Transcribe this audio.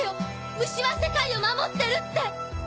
蟲は世界を守ってるって！